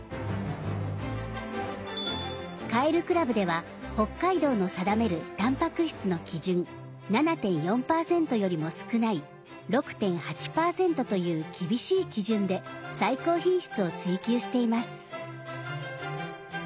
カエル倶楽部では北海道の定めるタンパク質の基準「７．４％」よりも少ない「６．８％」という厳しい基準で最高品質を追求しています。